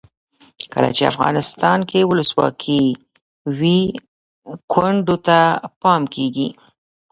کله چې افغانستان کې ولسواکي وي کونډو ته پام کیږي.